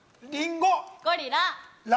ゴリラ。